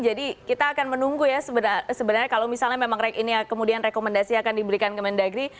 jadi kita akan menunggu ya sebenarnya kalau misalnya memang ini kemudian rekomendasi akan diberikan ke mendagri